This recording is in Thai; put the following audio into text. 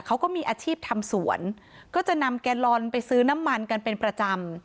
เขาก็มีอาชีพทำสวนก็จะนำแกลลอนไปซื้อน้ำมันกันเป็นประจำ